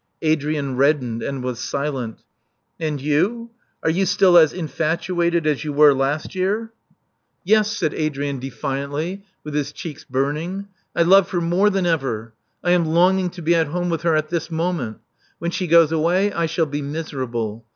Adrian reddened, and was silent. *'And you? Are you still as infatuated as you were last year?" Love Among the Artists 341 Yes," said Adrian defiantly, with his cheeks burn ing. I love her more than ever. I am longing to be at home with her* at this moment. When she goes away, I shall be miserable.